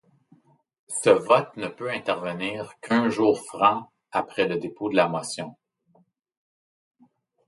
Ce vote ne peut intervenir qu'un jour franc après le dépôt de la motion.